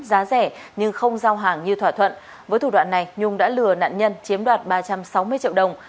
giá rẻ nhưng không giao hàng như thỏa thuận với thủ đoạn này nhung đã lừa nạn nhân chiếm đoạt ba trăm sáu mươi triệu đồng